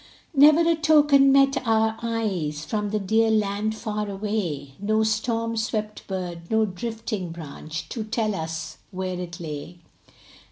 Never a token met our eyes From the dear land far away; No storm swept bird, no drifting branch, To tell us where it lay.